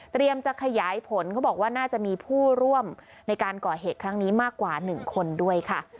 จะขยายผลเขาบอกว่าน่าจะมีผู้ร่วมในการก่อเหตุครั้งนี้มากกว่า๑คนด้วยค่ะ